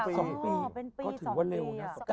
ก็ถือว่าเร็วนะ